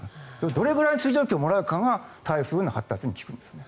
どれぐらい水蒸気をもらうかが台風の発達に効くんですね。